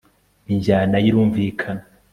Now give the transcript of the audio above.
injyana ye irumvikana